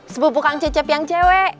sipupuk kang cecep yang cewek